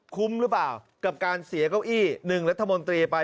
คุ้มหรือเปล่ากับการเสียเก้าอี้๑รัฐมนตรีไป